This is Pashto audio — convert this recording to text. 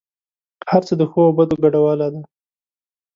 هر څه د ښو او بدو ګډوله ده.